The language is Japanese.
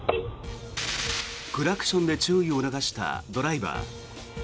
クラクションで注意を促したドライバー。